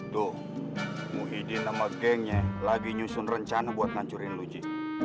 tuh muhyiddin sama gengnya lagi nyusun rencana buat ngancurin lo ji